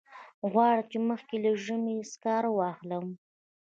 غواړم چې مخکې له ژمي سکاره واخلم.